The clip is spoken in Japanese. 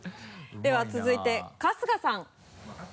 では続いて春日さん。